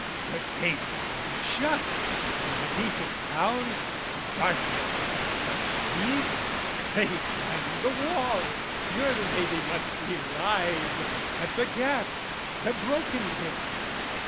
"But gates are shut, "In a decent town, to darkness and such deeds: "They climbed the wall your lady must be lithe "At the gap, the broken bit..."